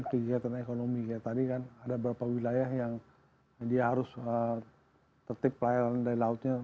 kegiatan ekonomi kayak tadi kan ada beberapa wilayah yang dia harus tertip pelayanan dari lautnya